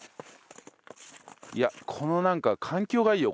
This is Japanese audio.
いやこのなんか環境がいいよ。